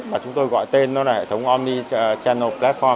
mà chúng tôi gọi tên là hệ thống omni